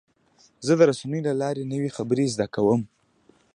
زه د رسنیو له لارې نوې خبرې زده کوم.